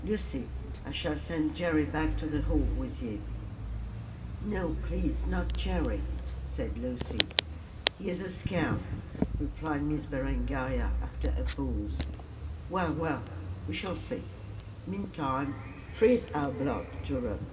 Lucy, I shall send Jerry back to the Hall with you." "No, please not, Jerry," said Lucy. "He is a scamp," replied Miss Berengaria, after a pause. "Well well, we shall see. Meantime, freeze our blood, Durham."